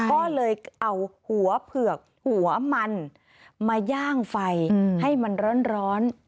ก็เลยเอาหัวเผือกหัวมันมาย่างไฟให้มันร้อน